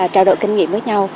trao đổi kinh nghiệm với nhau